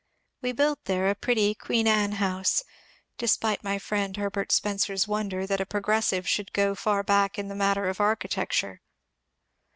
We built there a pretty '^ Queen Anne " house, despite my friend Herbert Spencer's wonder that a ^' progressive " should go far back in the matter of architecture.